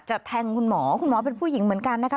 แทงคุณหมอคุณหมอเป็นผู้หญิงเหมือนกันนะคะ